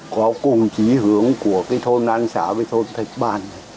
có cùng chí hướng của cái thôn an xã với thôn thạch bàn này